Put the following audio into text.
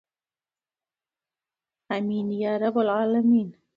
امین یا رب العالمین.